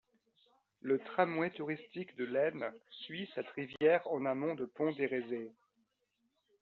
Le tramway touristique de l'Aisne suit cette rivière en amont de Pont d'Érezée.